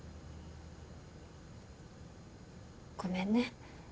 ごめんね。